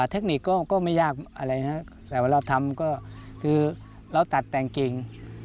เทคนิคก็ไม่ยากอะไรนะแต่ว่าเราทำก็คือเราตัดแต่งเก่ง